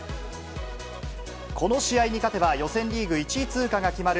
この試合に勝てば、予選リーグ１位通過が決まる